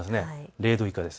０度以下です。